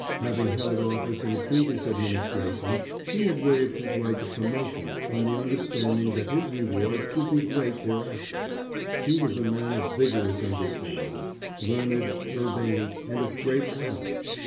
Having held office in a previous administration he had waived his right to promotion on the understanding that his reward should be great thereafter: he was a man of vigorous understanding, learned, urbane and of great family.